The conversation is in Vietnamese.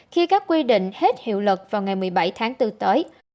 khi các quy định hết hiệu lực vào ngày một mươi bảy tháng bốn tới